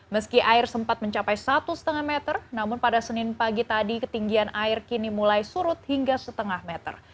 meski air sempat mencapai satu lima meter namun pada senin pagi tadi ketinggian air kini mulai surut hingga setengah meter